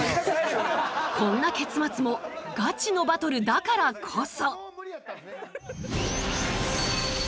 こんな結末もガチのバトルだからこそ！